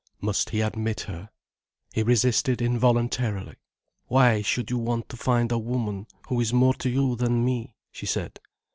Must he admit her? He resisted involuntarily. "Why should you want to find a woman who is more to you than me?" she said.